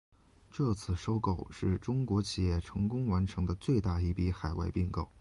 这次收购是中国企业成功完成的最大一笔海外并购。